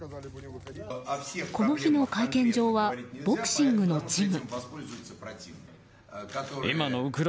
この日の会見場はボクシングのジム。